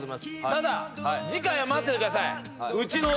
ただ次回は待っててくださいうちの。